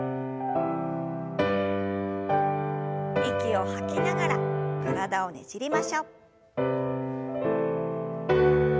息を吐きながら体をねじりましょう。